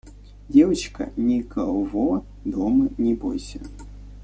«Девочка, никого дома не бойся.